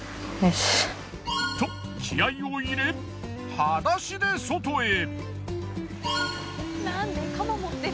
と気合いを入れ裸足で外へ。